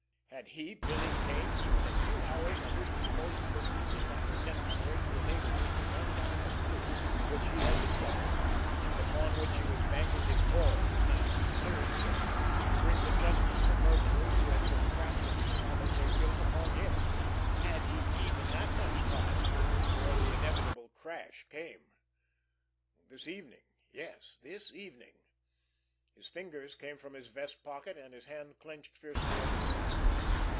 Had he, Billy Kane, even the few hours at his disposal this evening that were necessary to enable him to run down the clue which he had discovered, and upon which he was banking his all now to clear himself, to bring to justice the murderers who had so craftily saddled their guilt upon him—had he even that much time before the inevitable crash came? This evening! Yes, this evening! His fingers came from his vest pocket, and his hand clenched fiercely at his side.